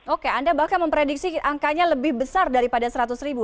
oke anda bahkan memprediksi angkanya lebih besar daripada seratus ribu